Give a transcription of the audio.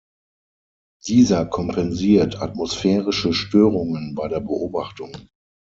Dieser kompensiert atmosphärische Störungen bei der Beobachtung.